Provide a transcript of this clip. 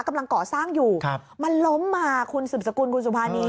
กำลังก่อสร้างอยู่มันล้มมาคุณสืบสกุลคุณสุภานี